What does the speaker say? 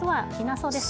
そうですね。